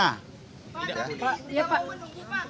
pak tapi tidak mau menunggu pak